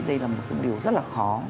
em nghĩ đây là một cái điều rất là khó